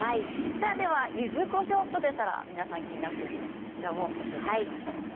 ではゆずこしょうポテサラ皆さん気になっているこちらも作りましょう。